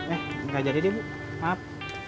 eh gak jadi deh bu maaf